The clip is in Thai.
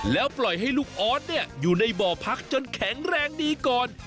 แล้วปล่อยให้ลูกออสอยู่ในบ่อพักจนแข็งแรงดีก่อน